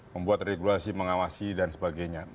membuat regulasi mengawasi dan sebagainya